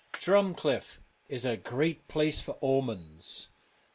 ' Drumcliff ' is a great place for omens.